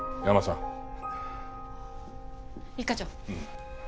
一課長。